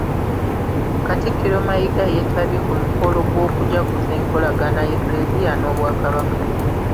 Katikkiro Mayiga yeetabye ku mukolo gw'okujaguza enkolagana y'Eklezia n'Obwakabaka.